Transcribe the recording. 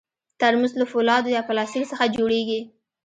ترموز له فولادو یا پلاستیک څخه جوړېږي.